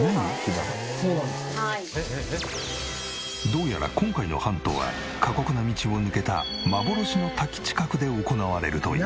どうやら今回のハントは過酷な道を抜けた幻の滝近くで行われるという。